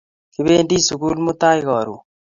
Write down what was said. Kipendi sukul mutai karon